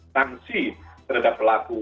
tangsi terhadap pelaku